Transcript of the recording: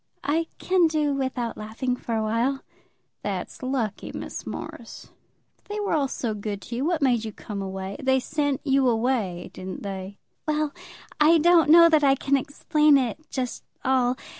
"I can do without laughing for a while." "That's lucky, Miss Morris. If they were all so good to you, what made you come away? They sent you away, didn't they?" "Well; I don't know that I can explain it just all.